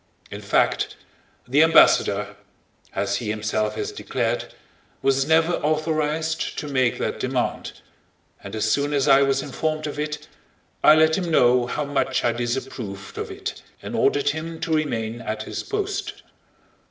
In fact, the ambassador, as he himself has declared, was never authorized to make that demand, and as soon as I was informed of it I let him know how much I disapproved of it and ordered him to remain at his post.